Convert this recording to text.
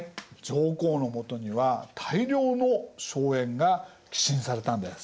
上皇のもとには大量の荘園が寄進されたんです。